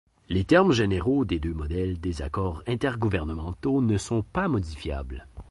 Les termes généraux des deux modèles des accords intergouvernementaux ne sont pas modifiables.